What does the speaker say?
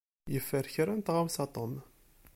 Yeffer kra n tɣawsa Tom.